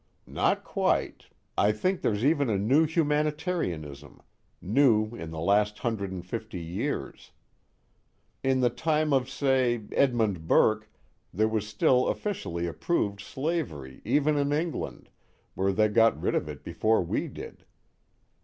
"Not quite. I think there's even a new humanitarianism, new in the last hundred and fifty years. In the time of, say, Edmund Burke, there was still officially approved slavery even in England, where they got rid of it before we did.